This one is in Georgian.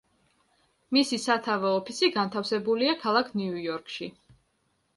მისი სათავო ოფისი განთავსებულია ქალაქ ნიუ-იორკში.